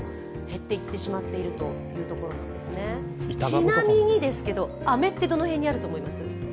ちなみに、あめってどの辺にあると思いますか？